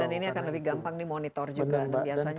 dan ini akan lebih gampang di monitor juga biasanya